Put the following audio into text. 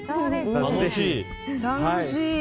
楽しい。